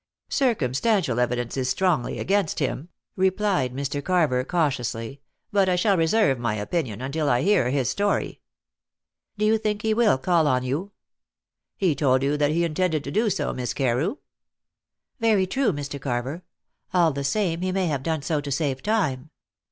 "Circumstantial evidence is strongly against him," replied Mr. Carver cautiously, "but I shall reserve my opinion until I hear his story." "Do you think he will call on you?" "He told you that he intended to do so, Miss Carew." "Very true, Mr. Carver. All the same, he may have done so to save time.